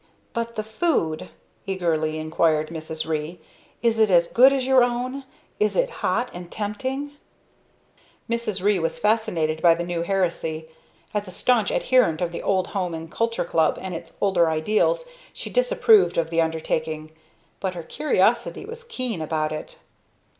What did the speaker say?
"But the food?" eagerly inquired Mrs. Ree. "Is it as good as your own? Is it hot and tempting?" Mrs. Ree was fascinated by the new heresy. As a staunch adherent of the old Home and Culture Club, and its older ideals, she disapproved of the undertaking, but her curiosity was keen about it.